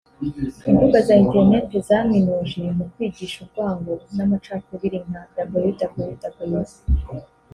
Imbuga za internet zaminuje mu kwigisha urwango n’amacakubiri nka www